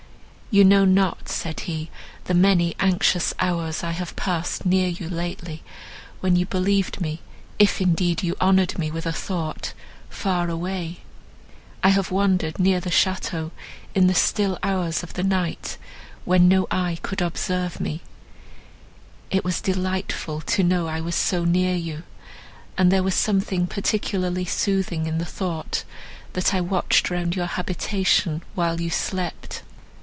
"You know not," said he, "the many anxious hours I have passed near you lately, when you believed me, if indeed you honoured me with a thought, far away. I have wandered, near the château, in the still hours of the night, when no eye could observe me. It was delightful to know I was so near you, and there was something particularly soothing in the thought, that I watched round your habitation, while you slept.